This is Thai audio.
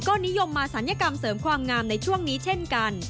ก็นิยมมาศัลยกรรมเสริมความงามในช่วงนี้เช่นกัน